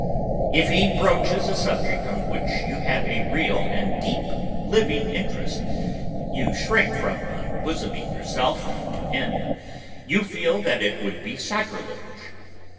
If he broaches a subject on which you have a real and deep living interest, you shrink from unbosoming yourself to him. You feel that it would be sacrilege.